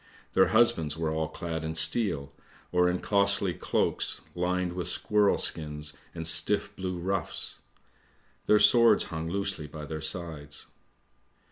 Their husbands were all clad in steel, or in costly cloaks lined with squirrel skins and stiff blue ruffs; their swords hung loosely by their sides.